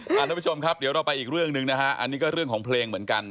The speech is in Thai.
คุณผู้ชมครับเดี๋ยวเราไปอีกเรื่องหนึ่งนะฮะอันนี้ก็เรื่องของเพลงเหมือนกัน